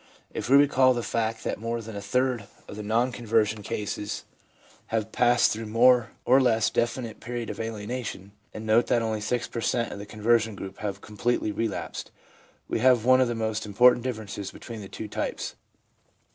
If we recall the fact that more than a third of the non conversion cases LINE OF GROWTH FOLLOWING CONVERSION 357 have passed through a more or less definite period of alienation, and note that only about 6 per cent, of the conversion group have completely relapsed, we have one of the most important differences between the two types.